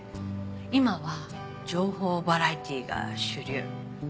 今は情報バラエティーが主流。